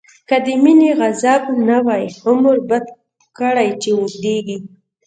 که دمينی عذاب نه وی، عمر بد کړی چی اوږديږی